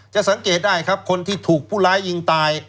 สังเกตได้ครับคนที่ถูกผู้ร้ายยิงตาย